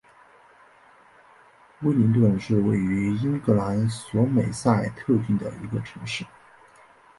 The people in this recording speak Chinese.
威灵顿是位于英格兰索美塞特郡的一个城市。